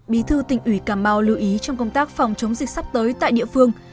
bí thư tỉnh ủy cà mau lưu ý trong công tác phòng chống dịch sắp tới tại địa phương